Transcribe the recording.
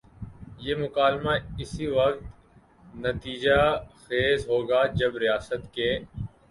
یہ مکالمہ اسی وقت نتیجہ خیز ہو گا جب ریاست کے